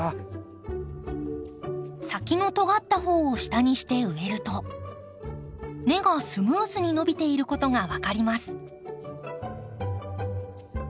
先のとがった方を下にして植えると根がスムーズに伸びていることが分かります。